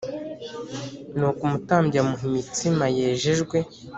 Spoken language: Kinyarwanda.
Nuko umutambyi amuha imitsima yejejwe